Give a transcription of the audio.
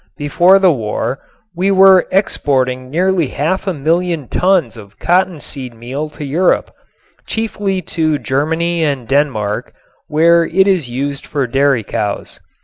Before the war we were exporting nearly half a million tons of cottonseed meal to Europe, chiefly to Germany and Denmark, where it is used for dairy cows.